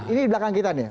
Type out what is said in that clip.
ini di belakang kita nih